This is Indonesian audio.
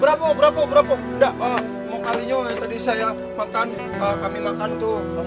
berapa berapa berapa enggak mau kalinya tadi saya makan kami makan tuh